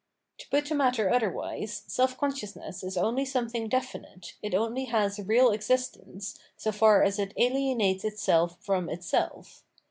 To put the matter otherwise, self consciousness is only something definite, it only has real existence, so far as it alienates itself from itself.